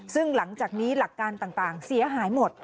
ซึ่งหลังจากนี้หลักการต่างเสียหายหมด